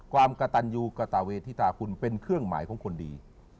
ความกระตันยูกระตาเวทิตาคุณเป็นเครื่องหมายของคนดี